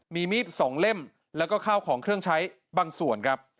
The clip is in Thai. มีมีด๒เล่มแล้วก็ข้าวของเครื่องใช้บางส่วนครับ